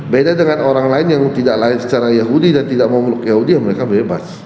beda dengan orang lain yang tidak lain secara yahudi dan tidak memeluk yahudi ya mereka bebas